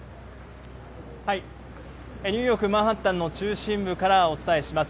ニューヨーク・マンハッタンの中心部からお伝えします。